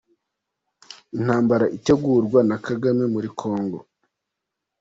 Intambara itegurwa na Kagame muri Congo